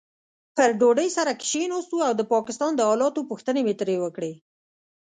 پر ډوډۍ سره کښېناستو او د پاکستان د حالاتو پوښتنې مې ترې وکړې.